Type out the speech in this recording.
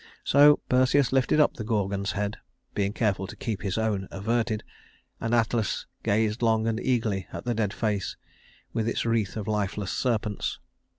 So Perseus lifted up the Gorgon's head, being careful to keep his own averted, and Atlas gazed long and eagerly at the dead face, with its wreath of lifeless serpents.